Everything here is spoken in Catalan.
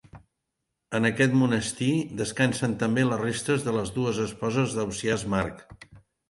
En aquest monestir, descansen també les restes de les dues esposes d'Ausiàs March.